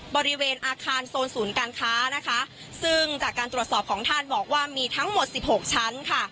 บริเวณอาคารโซนศูนย์การค้านะคะซึ่งจากการตรวจสอบของท่านบอกว่ามีทั้งหมดสิบหกชั้นค่ะ